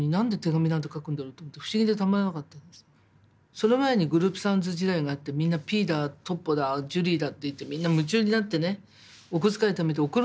その前にグループサウンズ時代があってみんなピーだトッポだジュリーだっていってみんな夢中になってねお小遣いためて送るんですよ